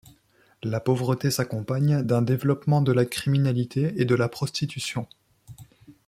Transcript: La pauvreté s'accompagne d'un développement de la criminalité et de la prostitution.